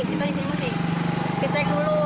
kita disini mesti septic tank dulu